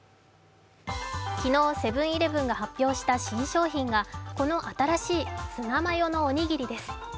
昨日、セブン−イレブンが発表した新商品が、この新しいツナマヨのおにぎりです。